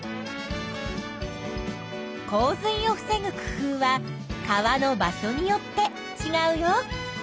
洪水を防ぐ工夫は川の場所によってちがうよ。